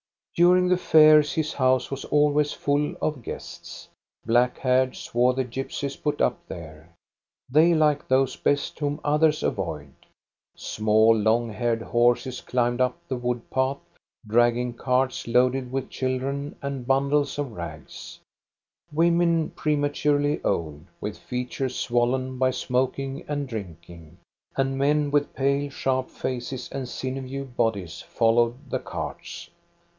During the fairs his house was al ways full of guests. Black haired, swarthy gypsies put up there. They like those best whom others avoid. Small, long haired horses climbed up the THE FOREST COTTAGE 441 wood path, dragging carts loaded with children and bundles of rags. Women, prematurely old, with features swollen by smoking and drinking, and men with pale, sharp faces and sinewy bodies followed the carts.